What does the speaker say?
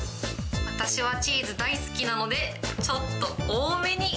私はチーズ大好きなのでちょっと多めに。